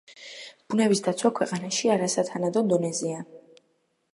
ბუნების დაცვა ქვეყანაში არასათანადო დონეზეა.